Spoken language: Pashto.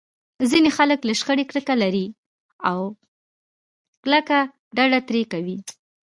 ځينې خلک له شخړې کرکه لري او کلکه ډډه ترې کوي.